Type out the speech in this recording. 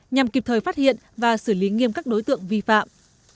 nhằm kịp thời phát hiện và xử lý nghiêm các đối tượng vi phạm